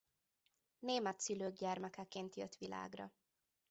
Német szülők gyermekeként jött világra.